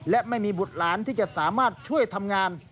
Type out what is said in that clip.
และไม่มีบุตรหลานที่จะสามารถช่วยทำงาน